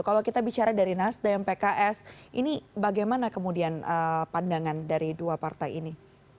kalau kita bicara dari nasdem pks ini bagaimana kemudian pandangan dari dua partai ini